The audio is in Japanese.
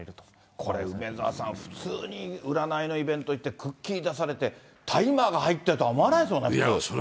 これ、梅沢さん、普通に占いのイベント行って、クッキー出されて、大麻が入っているとは思わないですもんね。